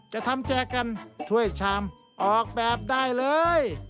จะทำแจกกันถ้วยชามออกแบบได้เลย